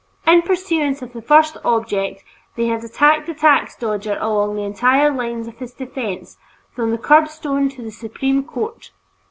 In pursuance of the first object, they had attacked the tax dodger along the entire line of his defense, from the curbstone to the Supreme Court.